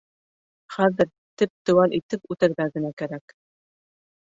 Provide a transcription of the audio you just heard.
Хәҙер теп-теүәл итеп үтәргә генә кәрәк.